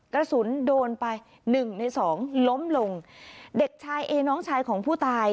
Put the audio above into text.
กระสุนโดนไปหนึ่งในสองล้มลงเด็กชายเอน้องชายของผู้ตาย